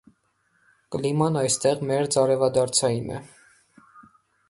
Կլիման այստեղ մերձարևադարձային է։